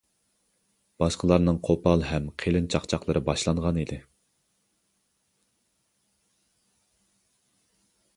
باشقىلارنىڭ قوپال ھەم قېلىن چاقچاقلىرى باشلانغانىدى.